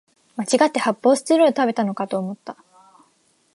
まちがって発泡スチロール食べたのかと思った